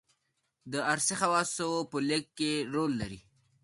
دارثي خواصو په لېږد کې رول لري.